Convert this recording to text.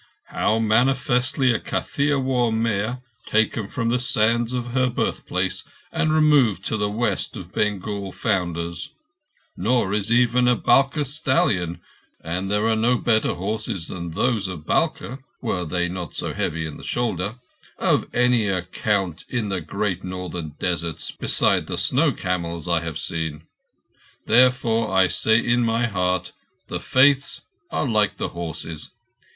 Now manifestly a Kathiawar mare taken from the sands of her birthplace and removed to the west of Bengal founders—nor is even a Balkh stallion (and there are no better horses than those of Balkh, were they not so heavy in the shoulder) of any account in the great Northern deserts beside the snow camels I have seen. Therefore I say in my heart the Faiths are like the horses.